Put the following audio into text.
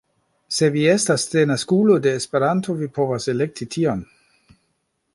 Se vi estas denaskulo de Esperanto vi povas elekti tion